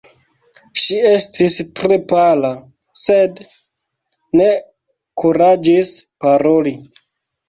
Ŝi estis tre pala, sed ne kuraĝis paroli.